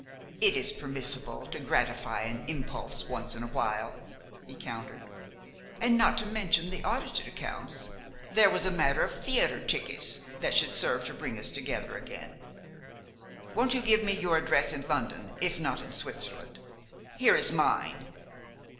"It is permissible to gratify an impulse once in awhile," he countered. "And not to mention the audited accounts, there was a matter of theater tickets that should serve to bring us together again. Won't you give me your address, in London if not in Switzerland? Here is mine."